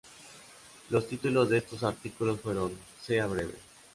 Los títulos de estos artículos fueron "¡Sea breve!